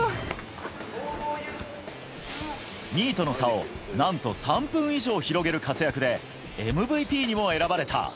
２位との差を何と、３分以上広げる活躍でＭＶＰにも選ばれた。